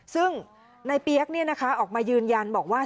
ซึ่งในเปี๊ยกออกมายืนยันบอกว่า